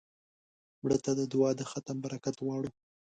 مړه ته د دعا د ختم برکت غواړو